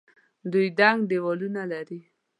دوی دنګ دیوالونه لري.